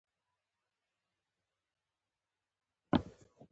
اونۍ